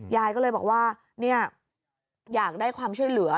ยายก็เลยบอกว่าเนี่ยอยากได้ความช่วยเหลือ